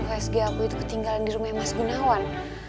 wsg aku itu ketinggalan di rumah mas gunawan